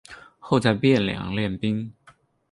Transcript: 后在汴梁练兵。